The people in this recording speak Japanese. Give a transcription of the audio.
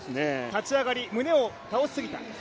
立ち上がり胸を倒しすぎた。